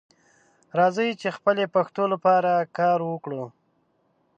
راځئ چې خپلې پښتو لپاره کار وکړو